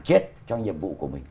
chết cho nhiệm vụ của mình